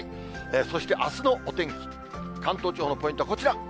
そしてあすのお天気、関東地方のポイントはこちら。